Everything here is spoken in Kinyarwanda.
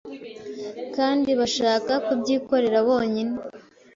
Kandi bashaka kubyikorera bonyine